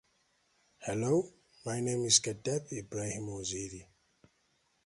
Mailman's partner is advertising executive Matthew Coonan.